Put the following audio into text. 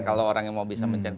kalau orang yang mau bisa mencari